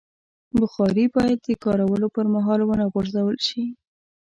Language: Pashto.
بخاري باید د کارولو پر مهال ونه غورځول شي.